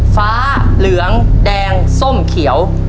ฟ้าเหลืองแดงส้มเขียว